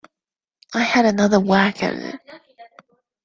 I had another whack at it.